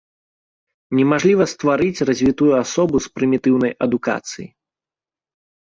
Немажліва стварыць развітую асобу з прымітыўнай адукацыяй!